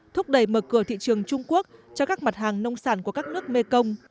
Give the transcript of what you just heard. thúc đẩy mở cửa thị trường trung quốc cho các mặt hàng nông sản của các nước mekong